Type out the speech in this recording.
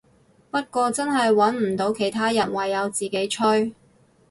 不過真係穩唔到其他人，唯有自己吹